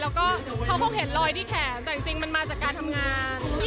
แล้วก็เขาคงเห็นรอยที่แขนแต่จริงมันมาจากการทำงาน